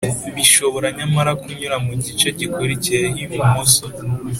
bishobora nyamara kunyura mu gice gikurikiyeho ibumoso